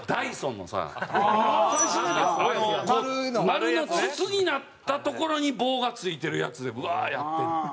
丸の筒になった所に棒が付いてるやつでブワーやって。